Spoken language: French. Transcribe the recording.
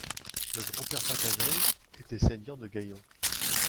Le grand-père paternel était seigneur de Gaillon.